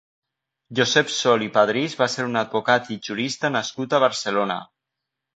Josep Sol i Padrís va ser un advocat i jurista nascut a Barcelona.